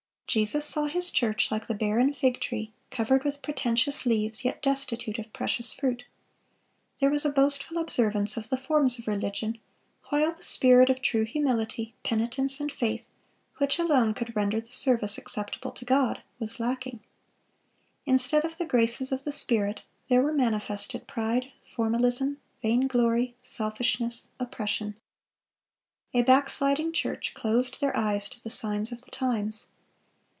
Jesus saw His church, like the barren fig tree, covered with pretentious leaves, yet destitute of precious fruit. There was a boastful observance of the forms of religion, while the spirit of true humility, penitence, and faith—which alone could render the service acceptable to God—was lacking. Instead of the graces of the Spirit, there were manifested pride, formalism, vainglory, selfishness, oppression. A backsliding church closed their eyes to the signs of the times.